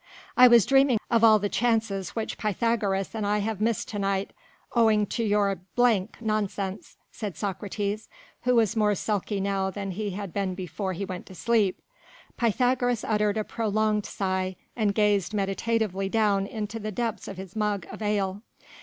"I was dreaming of all the chances which Pythagoras and I have missed to night owing to your d d nonsense," said Socrates, who was more sulky now than he had been before he went to sleep. Pythagoras uttered a prolonged sigh and gazed meditatively down into the depths of his mug of ale.